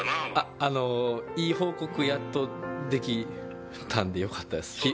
いい報告やっとできたんでよかったです。